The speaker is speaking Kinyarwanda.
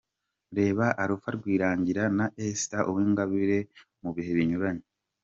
Reba Alpha Rwirangira na Esther Uwingabire mu bihe binyuranye.